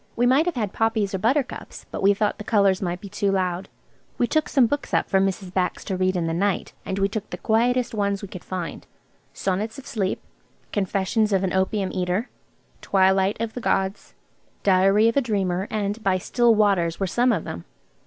We might have had poppies or buttercups, but we thought the colours might be too loud. We took some books up for Mrs. Bax to read in the night. And we took the quietest ones we could find. "Sonnets on Sleep," "Confessions of an Opium Eater," "Twilight of the Gods," "Diary of a Dreamer," and "By Still Waters," were some of them.